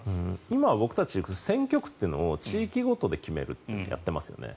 今、僕たち選挙区というのを地域ごとで決めるってやってますよね。